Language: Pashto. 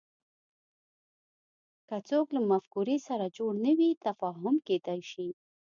که څوک له مفکورې سره جوړ نه وي تفاهم کېدای شي